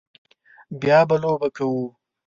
بیا به لوبې کوو